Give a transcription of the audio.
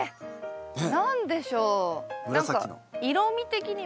何でしょう？